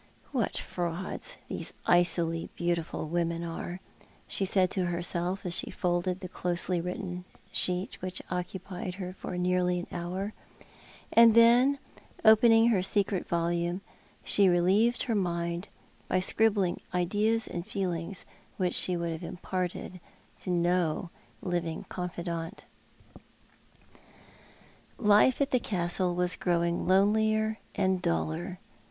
" What frauds these icily beautiful women are," she said to herself, as she folded the closely written sheet which had occu pied her for nearly an hour. And then, opening her secret volume, she relieved her mind by scribbling ideas and feelings which she would have imparted to no living confidante. Life at the Castle was growing lonelier and duller.